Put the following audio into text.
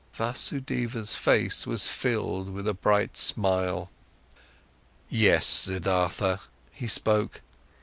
Vasudeva's face was filled with a bright smile. "Yes, Siddhartha," he spoke.